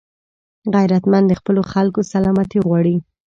غیرتمند د خپلو خلکو سلامتي غواړي